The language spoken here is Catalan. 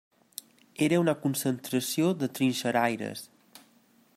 Era una concentració de trinxeraires.